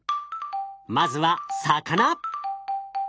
まずは魚。